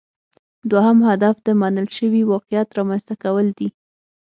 دوهم هدف د منل شوي واقعیت رامینځته کول دي